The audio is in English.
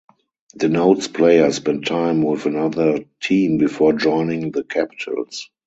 Denotes player spent time with another team before joining the Capitals.